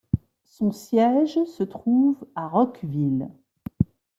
Son siège se trouve à Rockville.